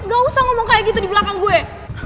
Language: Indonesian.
gak usah ngomong kayak gitu di belakang gue